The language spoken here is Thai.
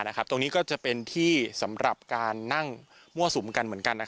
ตรงนี้ก็จะเป็นที่สำหรับการนั่งมั่วสุมกันเหมือนกัน